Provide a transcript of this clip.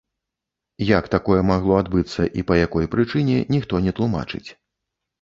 Як такое магло адбыцца і па якой прычыне, ніхто не тлумачыць.